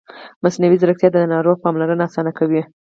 مصنوعي ځیرکتیا د ناروغ پاملرنه اسانه کوي.